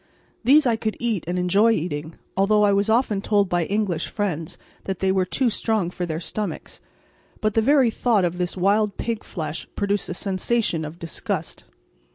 These I could eat and enjoy eating, although I was often told by English friends that they were too strong for their stomachs; but the very thought of this wild pig flesh produced a sensation of disgust.